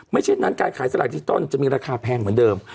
ไม่เช่นนั้นการขายสลักดิจิทัลจะมีราคาแพงเหมือนเดิม